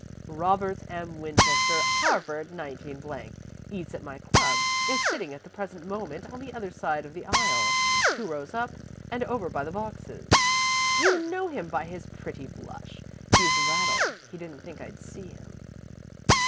"Robert M. Winchester, Harvard, 19 . Eats at my club. Is sitting at the present moment on the other side of the aisle, two rows up and over by the boxes. You'll know him by his pretty blush. He's rattled he didn't think I'd see him."